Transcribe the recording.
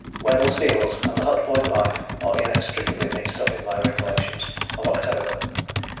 Weddell seals and the Hut Point life are inextricably mixed up in my recollections of October.